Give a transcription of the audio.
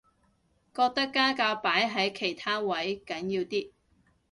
覺得家教擺喺其他位緊要啲